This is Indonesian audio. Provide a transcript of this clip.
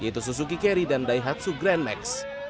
yaitu suzuki carry dan daihatsu grand max